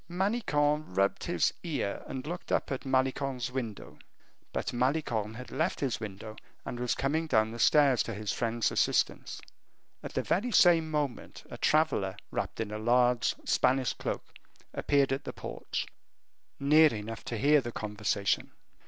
Manicamp rubbed his ear, and looked up at Malicorne's window; but Malicorne had left his window and was coming down the stairs to his friend's assistance. At the very same moment, a traveler, wrapped in a large Spanish cloak, appeared at the porch, near enough to hear the conversation.